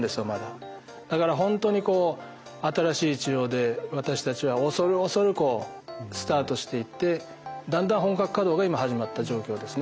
だからほんとにこう新しい治療で私たちは恐る恐るスタートしていってだんだん本格稼働が今始まった状況ですね。